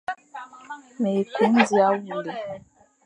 Mé kun dia wule,